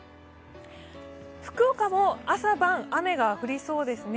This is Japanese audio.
福岡も朝晩雨が降りそうですね。